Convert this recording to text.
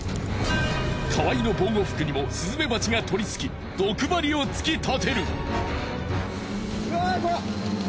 河合の防護服にもスズメバチが取りつき毒針を突き立てる。